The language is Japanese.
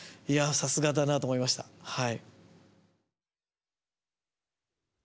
さすがだなと思いましたはい。